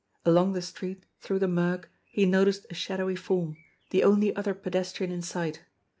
Along the street, through the murk, he noticed a shadowy form, the only other pedestrian in sight.